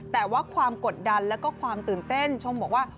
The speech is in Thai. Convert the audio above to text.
แต่ว่าความกดดันแล้วก็ความตื่นเต้นชมบอกว่า